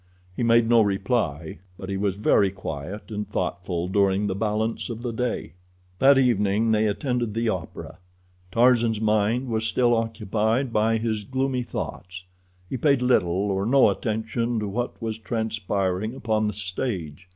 He made no reply, but he was very quiet and thoughtful during the balance of the day. That evening they attended the opera. Tarzan's mind was still occupied by his gloomy thoughts. He paid little or no attention to what was transpiring upon the stage.